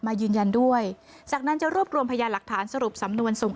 ยืนยันด้วยจากนั้นจะรวบรวมพยานหลักฐานสรุปสำนวนส่ง